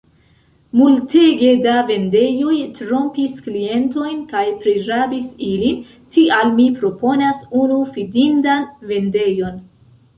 Multege da vendejoj trompis klientojn kaj prirabis ilin, tial mi proponas unu fidindan vendejon.